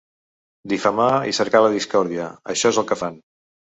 Difamar i cercar la discòrdia, això és el que fan.